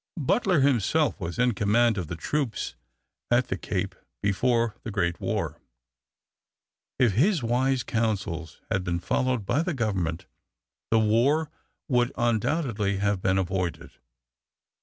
Butler himself was in command of the troops at the Cape before the great war. If his wise counsels had been followed by the Government, the war would undoubtedly have been avoided.